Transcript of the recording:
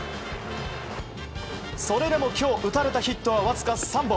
それでも今日打たれたヒットはわずか３本。